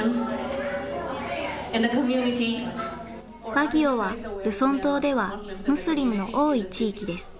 バギオはルソン島ではムスリムの多い地域です。